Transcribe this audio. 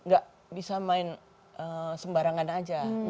gak bisa main sembarangan aja